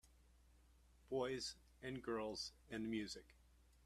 Boys and girls and music.